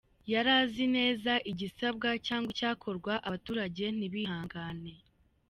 Yari azi neza igisabwa, cyangwa icyakorwa abaturage ntibihangane.